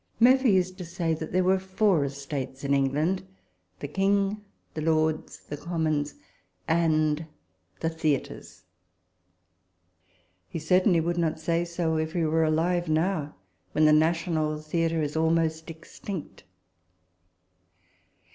Murphy used to say that there were Four Estates in England, the King, the Lords, the Commons, and the Theatres. He certainly would not say so, if he were alive now, when the national theatre is almost extinct.